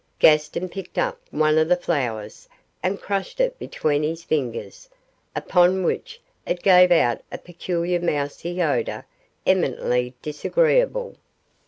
Gaston picked up one of the flowers, and crushed it between his fingers, upon which it gave out a peculiar mousy odour eminently disagreeable.